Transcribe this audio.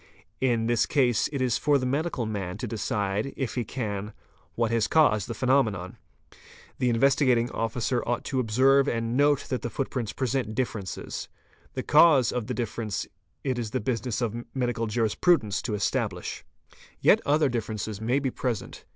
In this case it is for the medical man to decide, if he can, what has caused the phenomenon. 'The Investigating Officer ought to observe and note that the footprints present differences. The cause of the difference it is the business of medical jurisprudents to establish. Yet other differences may be present..